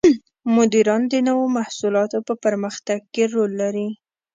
مدیران د نوو محصولاتو په پرمختګ کې رول لري.